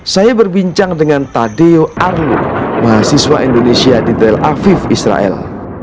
saya berbincang dengan tadeo arlo mahasiswa indonesia di tel aviv israel